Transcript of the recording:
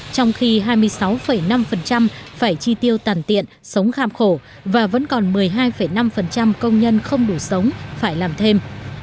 trong khi hai mươi sáu năm phải chi tiêu tàn tiện sống kham khổ và vẫn còn một mươi hai năm công nhân không đủ sống phải làm thêm